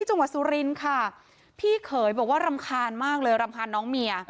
จังหวัดสุรินทร์ค่ะพี่เขยบอกว่ารำคาญมากเลยรำคาญน้องเมีย